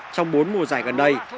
trong bốn mùa giải gần đây